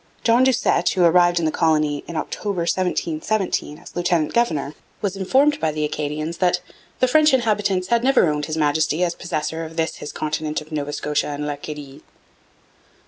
John Doucette, who arrived in the colony in October 1717 as lieutenant governor, was informed by the Acadians that 'the French inhabitants had never own'd His Majesty as Possessor of this His Continent of Nova Scotia and L'Acadie.'